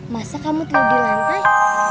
masa kamu tidur di lantai